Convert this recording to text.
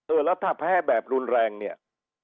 เออแล้วถ้าแพ้แบบรุนแรงเนี่ย